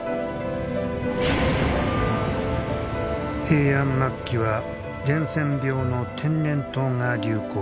平安末期は伝染病の天然痘が流行。